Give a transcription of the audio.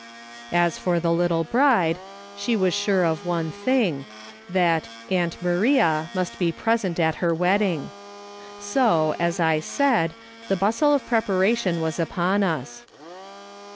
As for the little bride, she was sure of one thing, that " Aunt Maria" must be present at her wedding. So, as I said, the bustle of preparation was upon us.